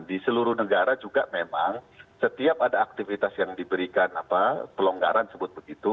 di seluruh negara juga memang setiap ada aktivitas yang diberikan pelonggaran sebut begitu